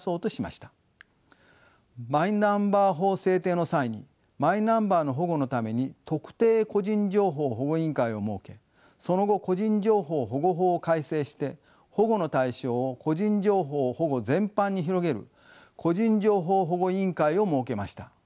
マイナンバー法制定の際にマイナンバーの保護のために特定個人情報保護委員会を設けその後個人情報保護法を改正して保護の対象を個人情報保護全般に広げる個人情報保護委員会を設けました。